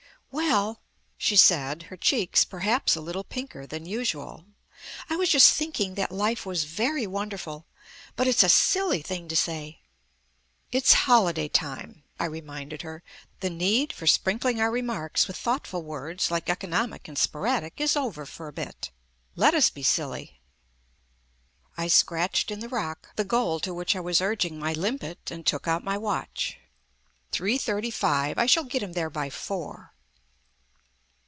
"Well," she said, her cheeks perhaps a little pinker than usual, "I was just thinking that life was very wonderful. But it's a silly thing to say." "It's holiday time," I reminded her. "The need for sprinkling our remarks with thoughtful words like 'economic' and 'sporadic' is over for a bit. Let us be silly." I scratched in the rock the goal to which I was urging my limpet and took out my watch. "Three thirty five. I shall get him there by four."